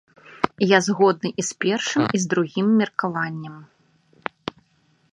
Я згодны і з першым, і з другім меркаваннем.